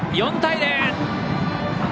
４対０！